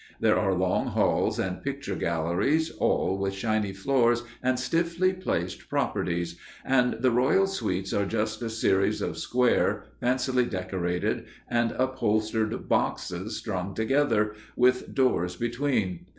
There are long halls and picture galleries, all with shiny floors and stiffly placed properties, and the royal suites are just a series of square, fancily decorated and upholstered boxes strung together, with doors between.